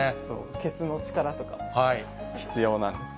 けつの力とか必要なんですよ。